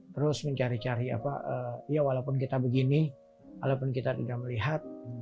terus mencari cari apa ya walaupun kita begini walaupun kita tidak melihat